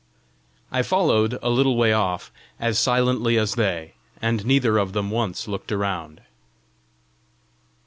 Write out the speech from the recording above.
I followed, a little way off, as silently as they, and neither of them once looked round.